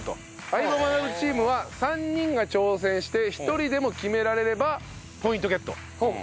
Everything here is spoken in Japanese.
相葉マナブチームは３人が挑戦して１人でも決められればポイントゲット。